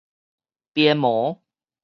鞭毛